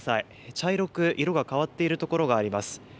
茶色く色が変わっている所があります。